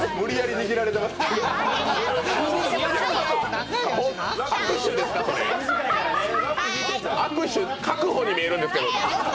握手確保に見えるんですけど。